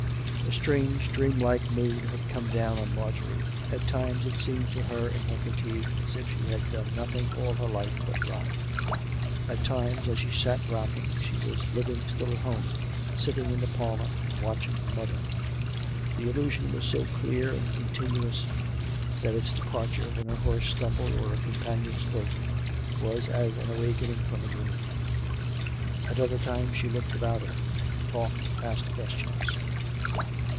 A strange dreamlike mood had come down on Marjorie. At times it seemed to her in her fatigue as if she had done 141 142 COME RACK! COME ROPE! nothing all her life but ride; at times, as she sat rocking, she was living still at home, sitting in the parlour, watch ing her mother; the illusion was so clear and continuous that its departure, when her horse stumbled or a com panion spoke, was as an awaking from a dream. At other times she looked about her; talked; asked questions.